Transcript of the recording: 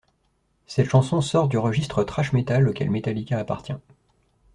Cette chanson sort du registre thrash metal auquel Metallica appartient.